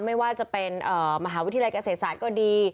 ไม่ว่าจะเป็นมหาวิทยาลัยเกษตรศาสตร์ก็ดี